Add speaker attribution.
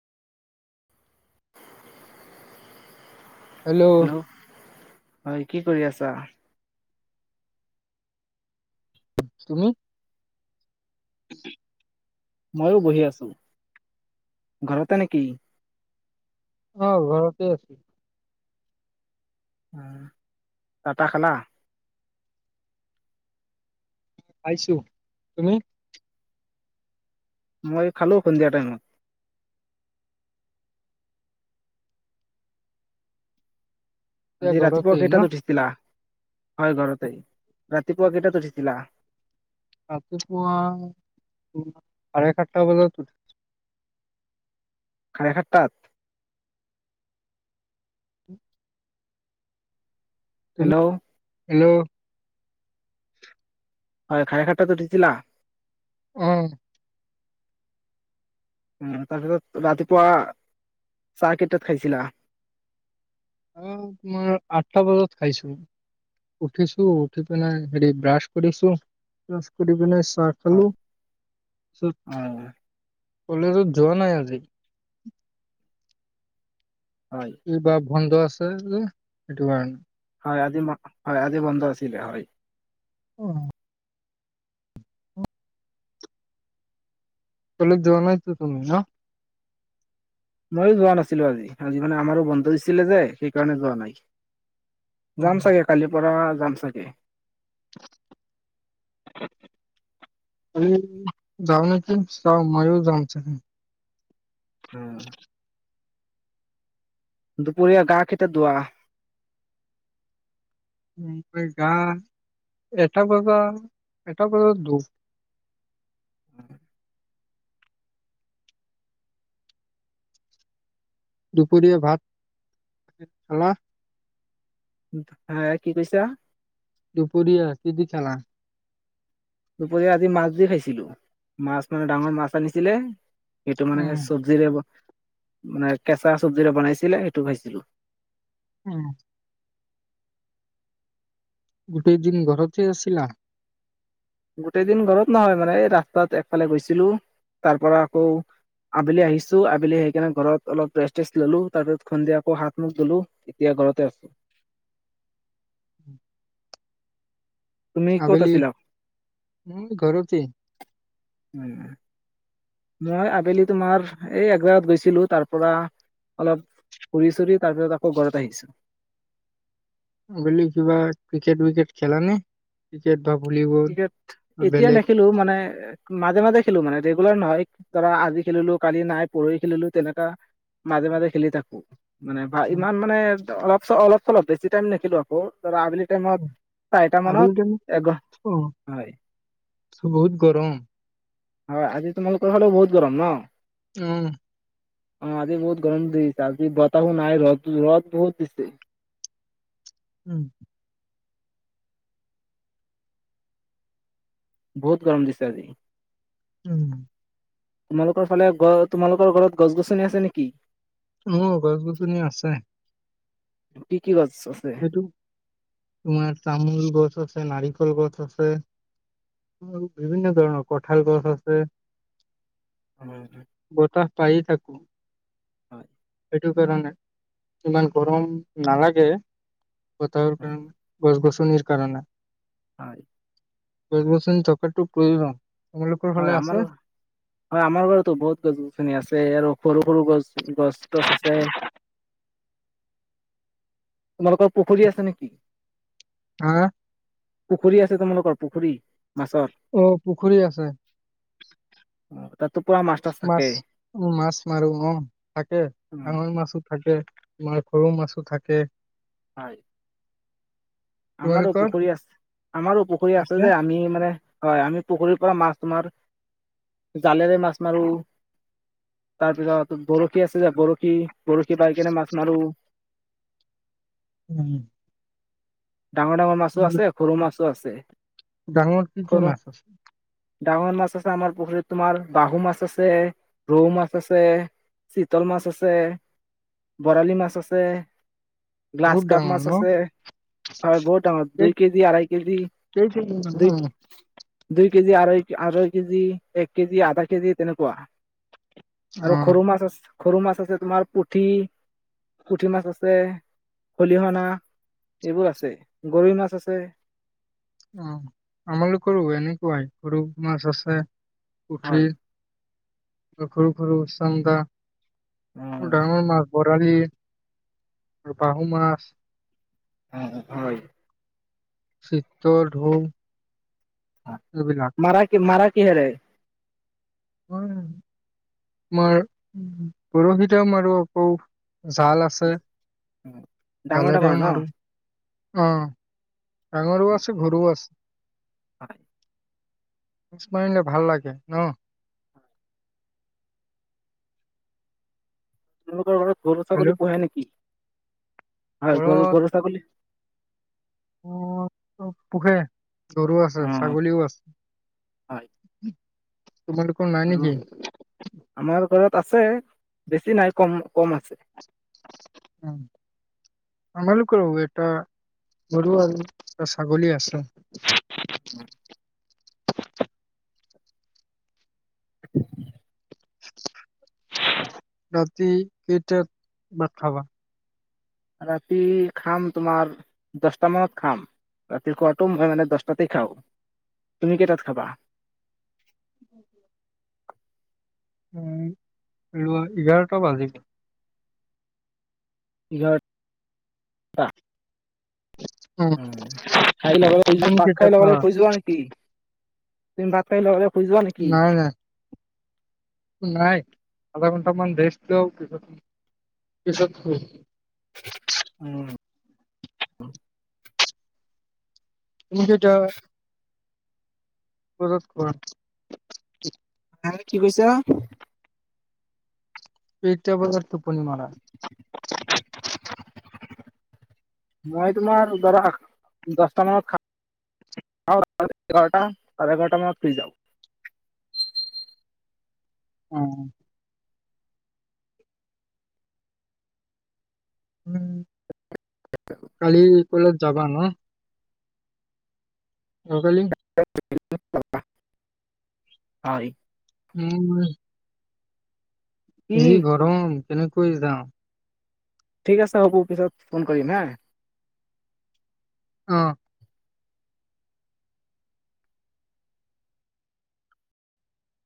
Speaker 1: Hello! হয় কি কৰি আছা?
Speaker 2: তুমি?
Speaker 1: ময়ো বহি আছো, ঘৰতে নেকি?
Speaker 2: অ! ঘৰতে আছো।
Speaker 1: চাটা খালা?
Speaker 2: পাইছো, তুমি?
Speaker 1: মই খালো, সন্ধিয়া টাইমত।
Speaker 2: এতিয়া
Speaker 1: আজি ৰাতিপুৱা
Speaker 2: ঘৰতে ন
Speaker 1: কেইটাত উঠিছিলা? হয়, ঘৰতেই। ৰাতিপুৱা কেইটাত উঠিছিলা?
Speaker 2: ৰাতিপুৱা, চাৰে সাতটা বজাত উঠি
Speaker 1: খাৰে খাট তাত
Speaker 2: তুমি
Speaker 1: হেল্ল'
Speaker 2: হেল্ল'
Speaker 1: হয় খায় খাতটাত উঠিছিলা
Speaker 2: উম
Speaker 1: ও তাৰপিছত ৰাতিপুৱা চাহকেইটাত খাইছিলা
Speaker 2: আহ তোমাৰ আঠটা বজাত খাইছো উঠিছো উঠি পিনে হেৰি ব্ৰাছ কৰিছো ব্ৰাছ কৰি পিনে চ ৰাখালো
Speaker 1: হয়
Speaker 2: চ
Speaker 1: উম
Speaker 2: কলেজত যোৱা নাই আজি
Speaker 1: হয়
Speaker 2: এইবাব বন্ধ আছে যে সেইটো কাৰণে
Speaker 1: হয় আদি হয় আদি বন্ধ আছিলে হয়
Speaker 2: অ কলেজ যোৱা নাই তো তুমি হা
Speaker 1: মইও যোৱা নাছিলো আজি আজি মানে আমাৰো বন্ধ দিছিলে যে সেই কাৰণে যোৱা নাই
Speaker 2: অ
Speaker 1: যাম চাগে কালিৰ পৰা যাম চাগে
Speaker 2: হেই যাওঁ নেকি চাওঁ ময়ো যাম চাগে
Speaker 1: উম দুপৰীয়া গা কেইটাত ধোৱা
Speaker 2: উম, গা এটা বজাৰ এটা বজাৰ ধোঁ
Speaker 1: উম
Speaker 2: দুপৰীয়া ভাত খালা
Speaker 1: হা কি কৈছা
Speaker 2: দুপৰীয়া কি দি কালা
Speaker 1: দুপৰীয়া ৰাতি মাছ দি খাইছিলো মাছ মানে ডাঙৰ মাছ আনিছিলে এইটো মানে
Speaker 2: উম,
Speaker 1: চব্জিৰে ব মানে কেঁচা চব্জিৰে বনাইছিলে সেইটো খাইছিলো
Speaker 2: উম গোটেই দিন ঘৰতে আছিলা
Speaker 1: গোটেই দিন ঘৰত নহয় মানে ৰাস্তাত একফালে গৈছিলো তাৰ পৰা আকৌ আবেলি আহিছো আবেলি আহি কিনে ঘৰত অলপ ৰেষ্ট তেষ্ট ললো তাৰপিছত সুন্দিয়া আকৌ হাত মুখ ধুলো এতিয়া ঘৰতে আছো
Speaker 2: আবেলি ও ঘৰতে
Speaker 1: উম, মই আবেলি তোমাৰ এই এক জাগাত গৈছিলো তাৰ পৰা অলপ ঘূৰি চুৰি তাৰপিছত আকৌ ঘৰত আহিছোঁ
Speaker 2: আবেলি কিবা ক্ৰিকেট বিকেট খেলা নে ক্ৰিকেট বা ভলীবল
Speaker 1: ক্ৰিকেট
Speaker 2: বা
Speaker 1: এতিয়া
Speaker 2: বেলেগ?
Speaker 1: নেখেলো মানে মাজে মাজে খেলো মানে ৰেগুলাৰ নহয় ধৰা আজি খেলিলো কালি নাই পৰহি খেলিলো তেনেককা মাজে মাজে খেলি থাকো মানে ভাই
Speaker 2: উম,
Speaker 1: মান মানে ধ অলপ চ অলপ চলপ বেছি টাই নেখেলো আকৌ ধৰা আবেলি টাইমত
Speaker 2: উম।
Speaker 1: চাৰিটা
Speaker 2: আবেলি টাইমত
Speaker 1: মানত এগ
Speaker 2: অ', বহুত গৰম।
Speaker 1: আৰু আজি তোমালোকৰ ফালেও বহুত গৰম ন।
Speaker 2: অ'।
Speaker 1: অ' আজি বহুত গৰম দেই। আজি বতাহ নাই ৰ'দ-ৰ'দ বহুত দিছে।
Speaker 2: উম।
Speaker 1: বহুত গৰম দিছে আজি।
Speaker 2: উম।
Speaker 1: তোমালোকৰ ফালে গ, তোমালোকৰ ঘৰত গছ-গছনি আছে নেকি?
Speaker 2: অ', গছ-গছনি আছে।
Speaker 1: কি কি গছ আছে
Speaker 2: সেইটো তোমাৰ তামোল গছ আছ ছে নাৰিকল গছ আছে আৰু বিভিন্ন ধৰণৰ কঁঠাল গছ আছে।
Speaker 1: উম [unintelligible]
Speaker 2: পাই য়ে থাকো।
Speaker 1: হয়।
Speaker 2: সেইটো কাৰণে ইমান গৰম নালাগে। বতাহৰ কাৰণে গছ-গছ কণীৰ কাৰণে
Speaker 1: হয়।
Speaker 2: গছ-গছনি থকাটো প্ৰয়োজন। তোমালোকৰ ফালে
Speaker 1: হয়,
Speaker 2: আছে
Speaker 1: আমাৰ হয় আমাৰ ঘৰতো বহুত গছ-গছনি আছে আৰু সৰু সৰু গছ, গছ-তছ আছে। তোমালোকৰ পুখুৰী আছে নেকি?
Speaker 2: হাঁহ
Speaker 1: পুখুৰী আছে, তোমালোকৰ পুখুৰী। মাছৰ
Speaker 2: অ'পুখুৰী আছে।
Speaker 1: অ। তাতো পুৰা তাছ
Speaker 2: মাছ।
Speaker 1: থাকে
Speaker 2: অ', মাছ মাৰো অ', থাকে।
Speaker 1: উ
Speaker 2: কাৱৈ মাছ‌ও থাকে। আমাৰ সৰু মাছো থাকে।
Speaker 1: হয়। আমাৰ
Speaker 2: তোমালোকৰ
Speaker 1: পুখুৰী আছ। আমাৰ পুখুৰী আছে যে আমি মানে হয়। আমি পুখুৰীত পৰা মাছ তোমাৰ জালেৰে মাছ মাৰো, তাৰপিছত বৰশী আছে যে বৰশী, বৰশী বাই কেনে মাছ মাৰো।
Speaker 2: উমঃ।
Speaker 1: ডাঙৰ ডাঙৰ মাছ‌ও আছে, সৰু মাছ ত আছে।
Speaker 2: ডাঙৰ কি কি
Speaker 1: সৰু
Speaker 2: মাছ আছে?
Speaker 1: ডাঙৰ মাছ আছে আমাৰ পুখুৰীত তোমাৰ। বাহু মাছ আছে, ৰৌ মাছ আছে, চিতল মাছ আছে, বৰালি মাছ আছে।
Speaker 2: বহুত
Speaker 1: গ্লাছ কাপ
Speaker 2: ডাঙৰ
Speaker 1: মাছ
Speaker 2: ন
Speaker 1: আছে। হয়, বহুত ডাঙৰ।
Speaker 2: কেই
Speaker 1: দুই কেজি আঢ়াই কেজি।
Speaker 2: কেই কেজি মান
Speaker 1: দুই
Speaker 2: অ
Speaker 1: দুই কেজি আঢ়ৈ আঢ়ৈ কেজি এক কেজি আধা কেজি তেনেকুৱা
Speaker 2: অ
Speaker 1: আৰু সৰু মাছ আছে সৰু মাছ আছে তোমাৰ পুঠি পুঠি মাছ আছে খলিহনা এইবোৰ আছে গৰৈ মাছ আছে
Speaker 2: অ আমালোকৰু এনেকুৱাই সৰু মাছ আছে পুঠি
Speaker 1: হয়
Speaker 2: সৰু সৰু চান্দা
Speaker 1: অ
Speaker 2: ডাঙৰ মাছ বৰালি, বাহু মাছ
Speaker 1: অ হয়
Speaker 2: [unintelligible] তৰ ধোম
Speaker 1: মাৰা মাৰা কিহেৰে
Speaker 2: আমাৰ বৰশিতে মাৰো আকৌ জাল আছে
Speaker 1: ডাঙৰ
Speaker 2: জালেৰেও
Speaker 1: ডাঙৰ ন
Speaker 2: মাৰো অ ডাঙৰো আছে সৰু আছে
Speaker 1: হয়
Speaker 2: মাছ মাৰিলে ভাল লাগে ন
Speaker 1: [unintelligible] গৰু ছাগলী
Speaker 2: হেল্ল'
Speaker 1: পোহে নেকি হয় গৰু
Speaker 2: ঘৰত
Speaker 1: গৰু ছাগলী
Speaker 2: অ পোহে গৰু আছে
Speaker 1: অ
Speaker 2: ছাগলীও আছে
Speaker 1: হয়
Speaker 2: তোমালোকৰ নাই
Speaker 1: আৰু
Speaker 2: নেকি
Speaker 1: আমাৰ ঘৰত আছে বেছি নাই কম আছে
Speaker 2: উম আমালোকৰো এটা গৰু আৰু এটা ছাগলী আছে
Speaker 1: উ [unintelligible]
Speaker 2: ৰাতি কেইটাত বাত খাবা
Speaker 1: ৰাতি খাম তোমাৰ দচটা মানত খাম ৰাতি খোৱাটো মই মানে দচতাতে খাওঁ তুমি কেইটাত খাবা
Speaker 2: [inaudible] উম ৰোৱা এঘাৰটা বাজিল
Speaker 1: ইঘাৰটা উম, খাই লগে লগে,
Speaker 2: টোপনি
Speaker 1: [inaudible] বাত খাই
Speaker 2: কেইটাত
Speaker 1: লগে
Speaker 2: মাৰা
Speaker 1: লগে শুই যোৱা নেকি? তুমি বাত খাই লগে লগে শুই যোৱা নেকি?
Speaker 2: নাই নাই নাই, আধা ঘন্টা মান ৰেষ্ট লওঁ, পিছত, পিছত শু।
Speaker 1: উম।
Speaker 2: তুমি কেতিয়া বজাত শুৱা
Speaker 1: হা, কি কৈছা?
Speaker 2: কেইটা বাজাত টোপনি মাৰা?
Speaker 1: মই তোমাৰ ধৰা দচটা মানত খাওঁ, এঘাৰটা, চাৰে এঘাৰটা মানত শুই যাওঁ।
Speaker 2: অহ। উম, কালি কলেজ যাবা ন? অহাকালি
Speaker 1: হয়।
Speaker 2: উম।
Speaker 1: কি
Speaker 2: যি গৰম কেনেকৈ যাওঁ?
Speaker 1: ঠিক আছে হ'ব, পিছত ফোন কৰিম হা।
Speaker 2: অহ।